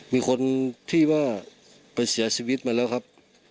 มีคนที่ว่าไปเสียชีวิตมาแล้วครับ